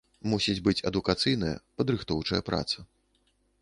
Мусіць быць адукацыйная, падрыхтоўчая праца.